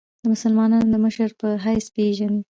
د مسلمانانو د مشر په حیث پېژني.